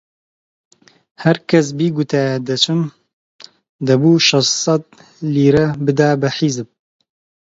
هەر کەس بیگوتایە دەچم، دەبوو شەشسەد لیرە بدا بە حیزب